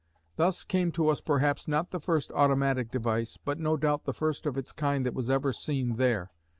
Thus came to us perhaps not the first automatic device, but no doubt the first of its kind that was ever seen there.